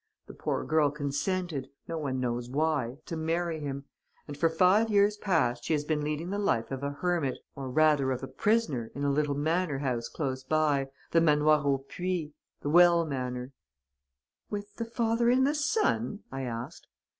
The poor girl consented, no one knows why, to marry him; and for five years past she has been leading the life of a hermit, or rather of a prisoner, in a little manor house close by, the Manoir au Puits, the Well Manor.' "'With the father and the son?' I asked.